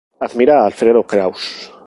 Admira a Alfredo Kraus.